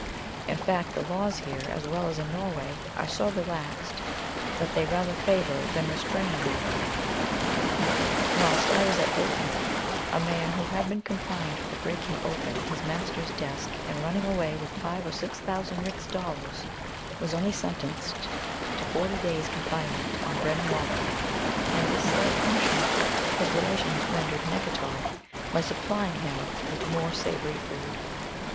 In fact, the laws here, as well as in Norway, are so relaxed that they rather favour than restrain knavery. Whilst I was at Gothenburg, a man who had been confined for breaking open his master's desk and running away with five or six thousand rix dollars, was only sentenced to forty days' confinement on bread and water; and this slight punishment his relations rendered nugatory by supplying him with more savoury food.